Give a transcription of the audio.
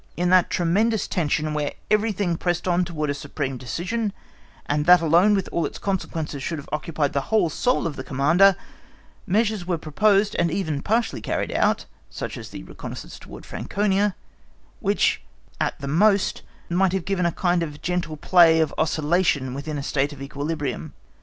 In that tremendous tension, when everything pressed on towards a supreme decision, and that alone with all its consequences should have occupied the whole soul of the Commander, measures were proposed and even partly carried out (such as the reconnaissance towards Franconia), which at the most might have given a kind of gentle play of oscillation within a state of equilibrium.